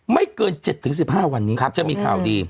ไม่เกิน๗๑๕วันนี้จะมีข่าวดี